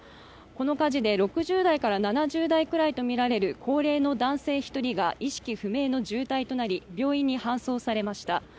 この火事で６０から７０代くらいとみられる高齢の男性１人が意識不明の重体となり病院に搬送されました。